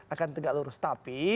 akan tegak lurus tapi